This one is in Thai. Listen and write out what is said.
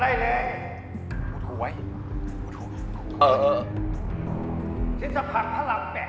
ทฤษภัณฑ์พระลำแบบมันคงบุงโดวฆังเป็นร้อยเลย